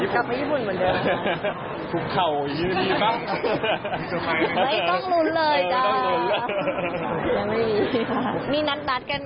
ไปญี่ปุ่นเหมือนเดิม